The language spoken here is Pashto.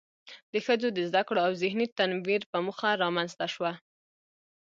د ښځو د زده کړو او ذهني تنوير په موخه رامنځ ته شوه.